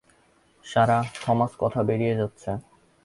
Sarah, Thomas কথা ছড়িয়ে বেরাচ্ছে।